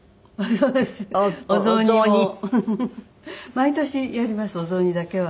毎年やりますお雑煮だけは。